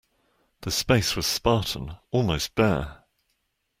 The space was spartan, almost bare.